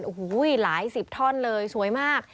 หูยหลายสิบท่อนเลยสวยมาก